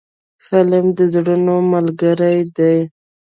فلم د زړونو ملګری دی